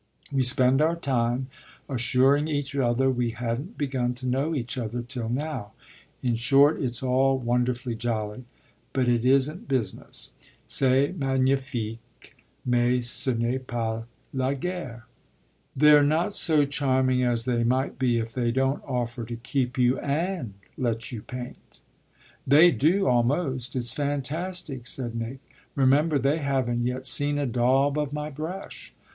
We spend our time assuring each other we hadn't begun to know each other till now. In short it's all wonderfully jolly, but it isn't business. C'est magnifique, mais ce n'est pas la guerre." "They're not so charming as they might be if they don't offer to keep you and let you paint." "They do, almost it's fantastic," said Nick. "Remember they haven't yet seen a daub of my brush."